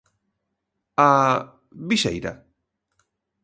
_¿A... viseira?